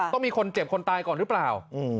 ต้องมีคนเจ็บคนตายก่อนหรือเปล่า